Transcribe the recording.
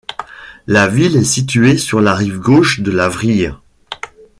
La ville est située sur la rive gauche de la Vrille.